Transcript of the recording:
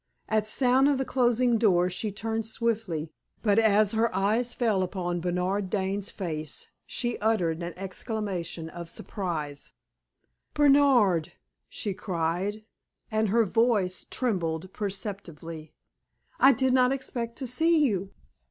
At sound of the closing of the door, she turned swiftly, but as her eyes fell upon Bernard Dane's face she uttered an exclamation of surprise. "Bernard!" she cried, and her voice trembled perceptibly. "I did not expect to see you."